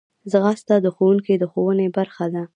ځغاسته د ښوونکي د ښوونې برخه ده